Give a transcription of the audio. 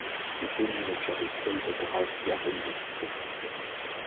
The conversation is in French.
Le domaine est sur des sols de graves garonnaises profondes.